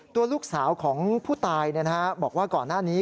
ตัวลูกสาวของผู้ตายบอกว่าก่อนหน้านี้